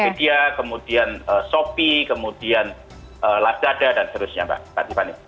media kemudian shopee kemudian ladada dan seterusnya mbak